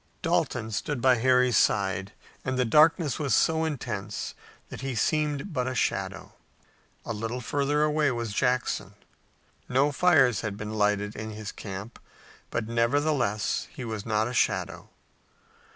Dalton stood by Harry's side, and the darkness was so intense that he seemed but a shadow. A little further away was Jackson. No fires had been lighted in his camp, but nevertheless he was not a shadow.